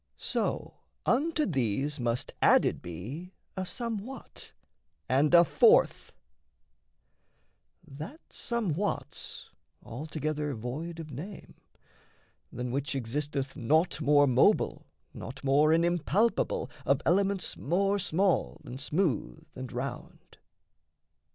So unto these Must added be a somewhat, and a fourth; That somewhat's altogether void of name; Than which existeth naught more mobile, naught More an impalpable, of elements More small and smooth and round.